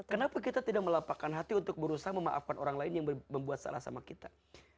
kenapa kita tidak melapakan hati untuk berusaha memaafkan orang lain yang membuat salah sama kita